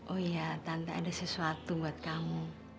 oh iya tanpa ada sesuatu buat kamu